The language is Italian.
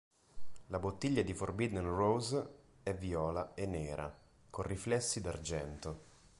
La bottiglia di Forbidden Rose è viola e nera, con riflessi d’argento.